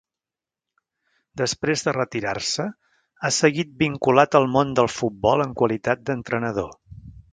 Després de retirar-se, ha seguit vinculat al món del futbol en qualitat d'entrenador.